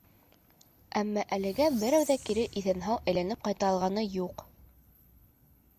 Әммә әлегә берәү ҙә кире иҫән-һау әйләнеп ҡайта алғаны юҡ.